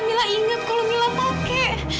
mila inget kalau mila pake